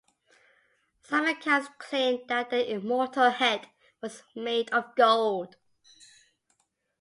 Some accounts claim that the immortal head was made of gold.